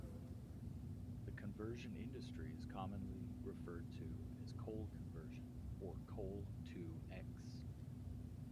The conversion industry is commonly referred to as "coal conversion" or "Coal To X".